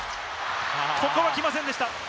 ここは来ませんでした。